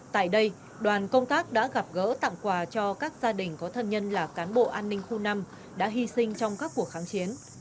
tại đây đoàn công tác đã gặp gỡ tặng quà cho các gia đình có thân nhân là cán bộ an ninh khu năm đã hy sinh trong các cuộc kháng chiến